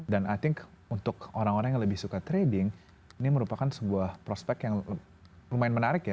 dan i think untuk orang orang yang lebih suka trading ini merupakan sebuah prospek yang lumayan menarik ya